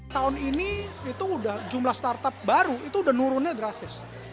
tahun ini jumlah startup baru itu udah nurunnya drastis